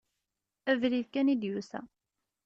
Abrid kan i d-yusa.